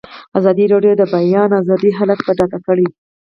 ازادي راډیو د د بیان آزادي حالت په ډاګه کړی.